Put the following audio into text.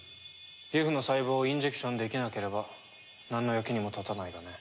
ギフの細胞をインジェクションできなければなんの役にも立たないがね。